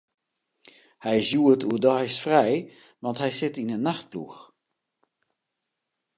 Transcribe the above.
Hy is hjoed oerdeis frij, want hy sit yn 'e nachtploech.